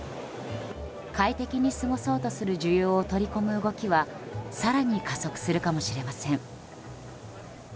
快適に過ごそうとする需要を取り込む動きは更に加速するかもしれません。